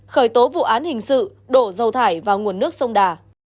khởi tố vụ án hình sự đổ dầu thải vào nguồn nước sông đà